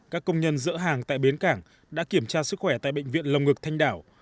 các công nhân dỡ hàng tại bến cảng đã kiểm tra sức khỏe tại bệnh viện lồng ngực thanh đảo